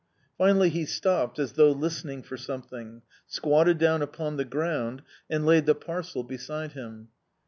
Finally he stopped, as though listening for something, squatted down upon the ground, and laid the parcel beside him.